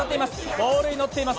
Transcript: ボールにのっています。